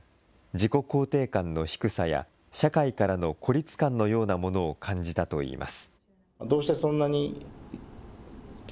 自己肯定感の低さや、社会からの孤立感のようなものを感じたといいます。